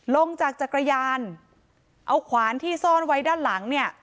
ลงจากจักรยานเอาขวานที่ซ่อนไว้ด้านหลังเนี่ย